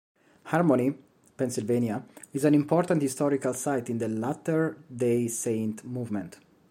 Harmony, Pennsylvania, is an important historical site in the Latter Day Saint movement.